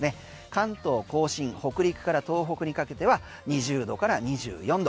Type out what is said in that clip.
関東・甲信北陸から東北にかけては２０度から２４度。